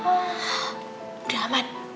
oh udah aman